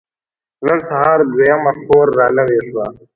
نن سهار دويمه خور را نوې شوه.